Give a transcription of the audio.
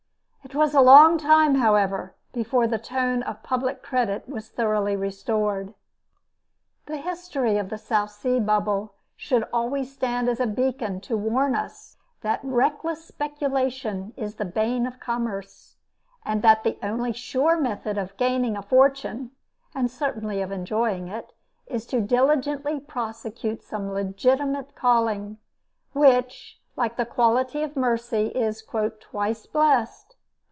It was a long time, however, before the tone of public credit was thoroughly restored. The history of the South Sea bubble should always stand as a beacon to warn us that reckless speculation is the bane of commerce, and that the only sure method of gaining a fortune, and certainly of enjoying it, is to diligently prosecute some legitimate calling, which, like the quality of mercy, is "twice blessed."